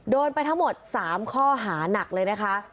โดนไปทั้งหมด๓ข้อหานักเลยนะคะ